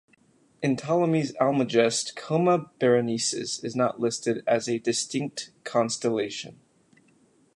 In Ptolemy's "Almagest", Coma Berenices is not listed as a distinct constellation.